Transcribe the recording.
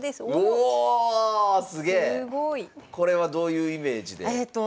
これはどういうイメージで？